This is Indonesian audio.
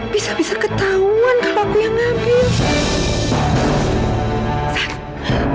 bisa bisa ketahuan kalau aku yang ngambil